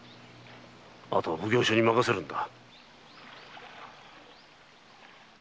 あとは奉行所に任せるんだ。